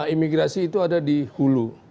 imigrasi itu ada di hulu